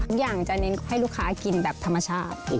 อย่างจะเน้นให้ลูกค้ากินแบบธรรมชาติ